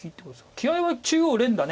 気合いは中央連打。